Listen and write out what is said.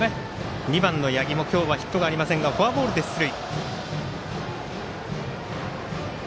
２番の八木も今日はヒットがありませんがフォアボールで出塁。